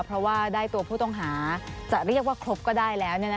เพราะว่าได้ตัวผู้ต้องหาจะเรียกว่าครบก็ได้แล้ว